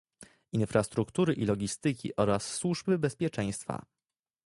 Infrastruktury i Logistyki oraz służby bezpieczeństwa